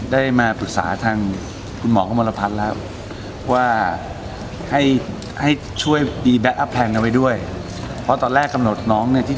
ได้มาปรึกษาทางคุณหมอคมรพรรดิลักษณ์